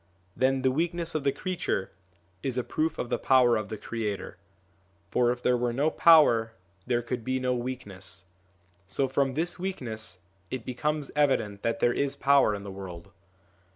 Then the weakness of the creature is a proof of the power of the Creator ; for if there were no power there could be no weakness; so from this weakness it becomes evident that there is power in the world.